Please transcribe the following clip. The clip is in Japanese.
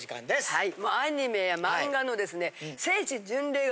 はい。